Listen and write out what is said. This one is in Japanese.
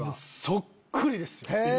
そっくりですよ。